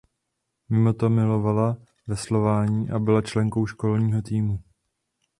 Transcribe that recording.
Mimo to milovala veslování a byla členkou školního týmu.